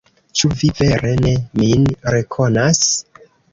Ĉu vi vere ne min rekonas?